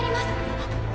あっ。